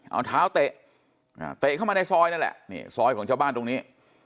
เอาเท้าเตะเตะเข้ามาในซอยนั่นแหละนี่ซอยของชาวบ้านตรงนี้